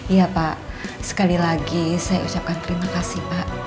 iya pak sekali lagi saya ucapkan terima kasih pak